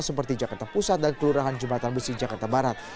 seperti jakarta pusat dan kelurahan jumatambusi jakarta barat